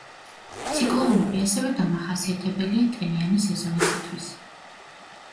ციკლონები ასევე დამახასიათებელია ტენიანი სეზონისთვის.